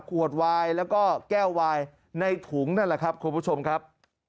ขวดวายแล้วก็แก้ววายในถุงนั่นแหละครับคุณผู้ชมครับ